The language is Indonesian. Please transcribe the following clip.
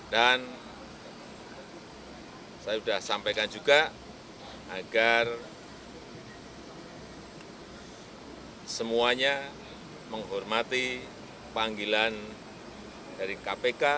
dan saya sudah sampaikan juga agar semuanya menghormati panggilan dari kpk